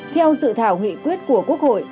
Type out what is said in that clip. theo sự thảo nghị quyết của quốc hội